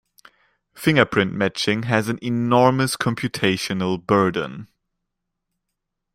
Fingerprint matching has an enormous computational burden.